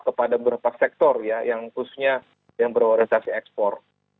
kepada beberapa sektor ya yang khususnya yang berorientasi ekspor